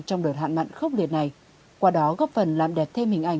trong đợt hạn mặn khốc liệt này qua đó góp phần làm đẹp thêm hình ảnh